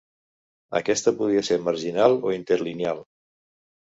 Aquesta podia ser marginal o interlineal.